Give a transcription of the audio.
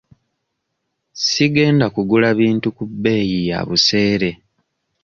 Sigenda kugula bintu ku bbeeyi ya buseere.